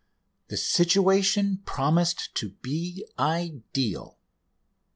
The situation promised to be ideal.